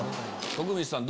徳光さん